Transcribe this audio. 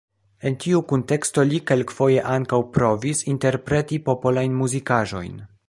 En tiu kunteksto li kelkfoje ankaŭ provis interpreti popolajn muzikaĵojn.